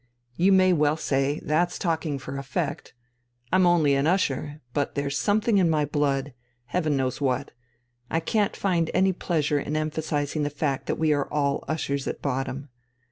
You may well say: 'That's talking for effect.' I'm only an usher, but there's something in my blood, Heaven knows what I can't find any pleasure in emphasizing the fact that we are all ushers at bottom.